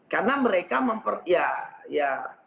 karena mereka memper ya